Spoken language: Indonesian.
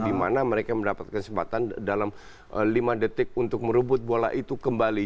di mana mereka mendapatkan kesempatan dalam lima detik untuk merebut bola itu kembali